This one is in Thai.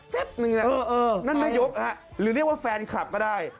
ก็นั่นไม่ยกโอ้ฮะหรือเรียกว่าแฟนคลับก็ได้